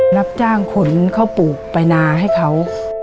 รับจ้างขนข้าวปลูกไปนาให้เขา